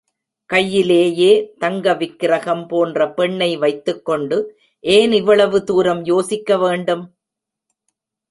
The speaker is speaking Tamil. கையிலேயே தங்க விக்ரகம் போன்ற பெண்ணை வைத்துக்கொண்டு ஏன் இவ்வளவு தூரம் யோசிக்கவேண்டும்?